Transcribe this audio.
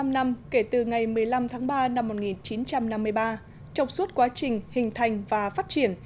một mươi năm năm kể từ ngày một mươi năm tháng ba năm một nghìn chín trăm năm mươi ba trong suốt quá trình hình thành và phát triển